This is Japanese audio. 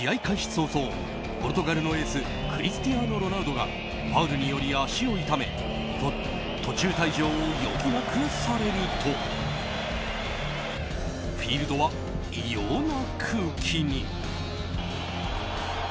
早々ポルトガルのエースクリスティアーノ・ロナウドがファウルにより足を痛め途中退場を余儀なくされるとフィールドは異様な空気に。